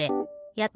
やった！